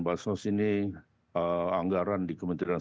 basnas ini anggaran di kementerian